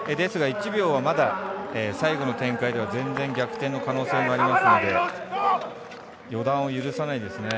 ですが、１秒はまだ最後の展開では全然、逆転の可能性もありますので予断を許さないです。